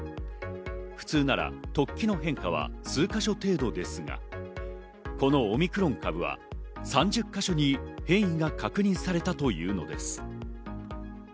普通なら突起の変化は数か所程度ですが、このオミクロン株は３０か所に変異が確認されたというのです。